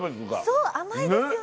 そう甘いですよね。